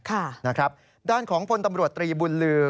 ค่ะนะครับด้านของพลตำรวจตรีบุญลือ